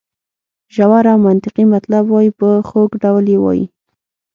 ژور او منطقي مطلب وایي په خوږ ډول یې وایي.